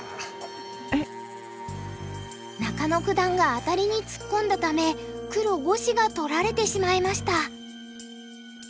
中野九段がアタリにつっこんだため黒５子が取られてしまいました。